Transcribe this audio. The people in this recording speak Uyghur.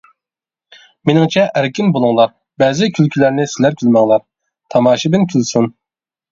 مېنىڭچە ئەركىن بولۇڭلار، بەزى كۈلكىلەرنى سىلەر كۈلمەڭلار، تاماشىبىن كۈلسۇن.